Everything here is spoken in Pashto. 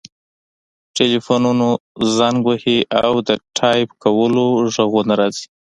ټیلیفونونه زنګ وهي او د ټایپ کولو غږونه راځي